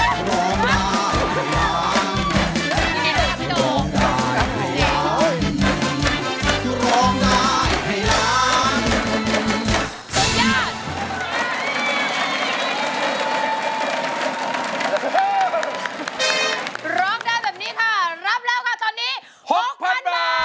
ถึงกับเข่าสุด